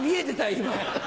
今。